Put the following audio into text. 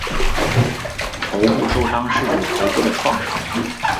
头部受伤是指头部的创伤。